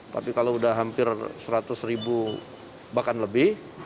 tapi kalau sudah hampir seratus ribu bahkan lebih